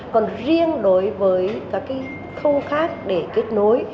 còn riêng đối với các thông khác để kết nối